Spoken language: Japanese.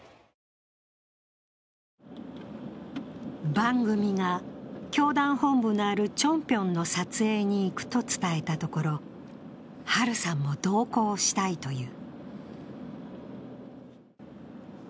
番組が教団本部のあるチョンピョンの撮影に行くと伝えたところ、ハルさんも同行したいという。